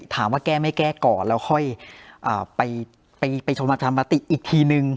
ถามว่าแก้ไม่แก้ก่อนแล้วค่อยอ่าไปไปไปทำประชามติอีกทีหนึ่ง